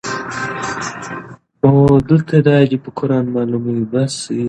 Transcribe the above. د کنر درې د نښترو په عطرونو سمبال دي.